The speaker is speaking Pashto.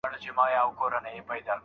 چي هر څو یې هېرومه نه هېرېږي